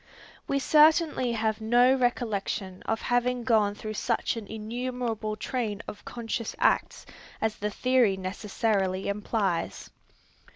We certainly have no recollection of having gone through such an innumerable train of conscious acts as the theory necessarily implies.